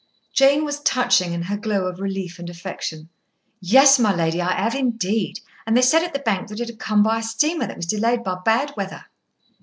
Jane was touching in her glow of relief and affection. "Yes, my lady, I have, indeed. And they said at the bank that it had come by a steamer that was delayed by bad weather."